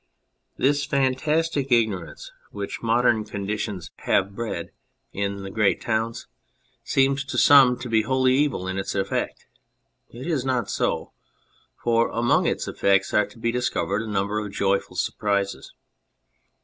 This fantastic ignorance which modern conditions 30 On Secluded Places have bred in the great towns seems to some to be wholly evil in its effect. It is not so ; for among its effects are to be discovered a number of joyful surprises.